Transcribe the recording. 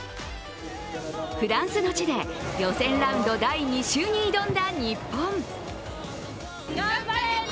フランスの地で、予選ラウンド第２週に挑んだ日本。